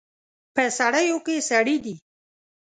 په سړیو کې سړي دي